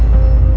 tante bango tante